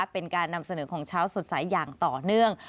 เป็นการนำเสนอของเช้าสดใสอย่างต่อเนื่อง